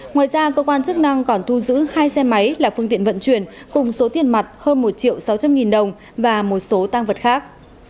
ngoài ra cơ quan chức năng còn thu giữ hai xe máy là phương tiện vận chuyển cùng số tiền mặt hơn một triệu sáu trăm linh nghìn đồng và một số tăng vật khác